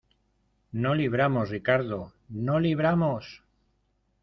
no libramos, Ricardo. ¡ no libramos!